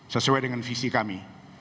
sesuai dengan visi kami